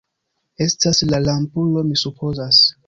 Estas la lampulo, mi supozas.